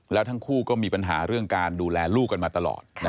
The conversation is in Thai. แล้วทั้งคู่ก็มีปัญหาเรื่องการดูแลลูกกันมาตลอด